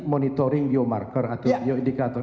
monitoring biomarker atau bioindikator